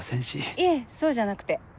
いえそうじゃなくて。